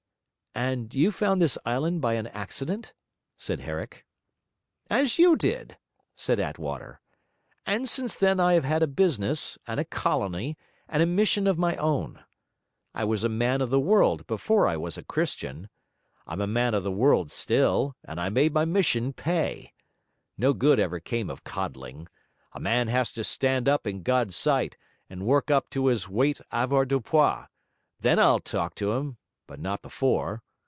'And you found this island by an accident?' said Herrick. 'As you did!' said Attwater. 'And since then I have had a business, and a colony, and a mission of my own. I was a man of the world before I was a Christian; I'm a man of the world still, and I made my mission pay. No good ever came of coddling. A man has to stand up in God's sight and work up to his weight avoirdupois; then I'll talk to him, but not before.